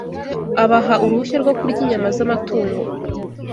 abaha uruhushya rwo kurya inyama z’amatungo